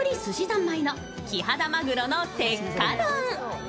ざんまいのキハダマグロの鉄火丼。